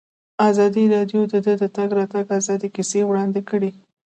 ازادي راډیو د د تګ راتګ ازادي کیسې وړاندې کړي.